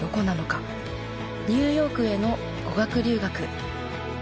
ニューヨークへの語学留学。